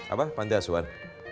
apa pantai asuhan